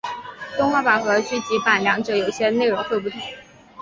动画版和剧集版两者有些内容会不同。